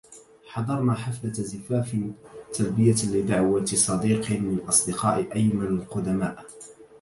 حضرنا حفلة زفاف تلبية لدعوة صديق من أصدقاء أيمن القدماء.